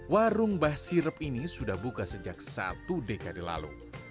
warung mbah sirep ini sudah buka sejak satu dekade lalu